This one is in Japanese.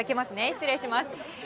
失礼します。